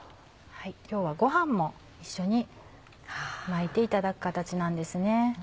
今日はご飯も一緒に巻いていただく形なんですね。